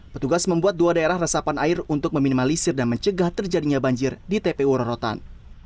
petugas membuat dua daerah resapan air untuk meminimalisir dan mencegah terjadinya banjir di tpu rorotan